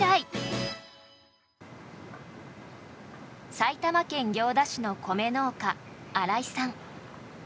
埼玉県行田市の米農家新井さん。